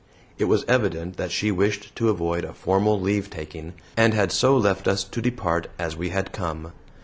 It was evident that she wished to avoid a formal leave taking, and had so left us to depart as we had come.